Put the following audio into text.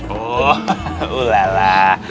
oh ulah lah